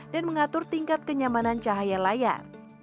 dan mengatur tingkat kenyamanan cahaya layar